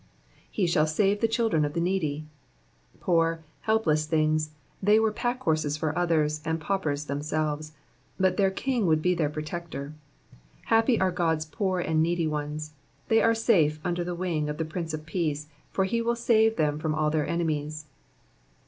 ""He shall sane the children of the needy,'''' Poor, helpless things, they were packhorses for others, and paupers themselves, but their King would be their protector. Happy are God's poor and needy ones ; they are safe under the wing of the Prince of Peace, for he will save them from all their enemies.